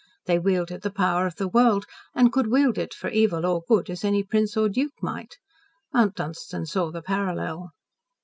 They wielded the power of the world, and could wield it for evil or good, as any prince or duke might. Mount Dunstan saw the parallel.